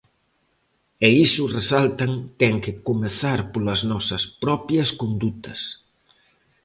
E iso, resaltan, ten que "comezar polas nosas propias condutas".